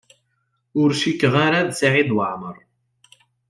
Ur cikkeɣ ara d Saɛid Waɛmaṛ.